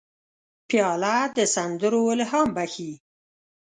پیاله د سندرو الهام بخښي.